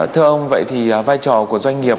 thưa ông vậy thì vai trò của doanh nghiệp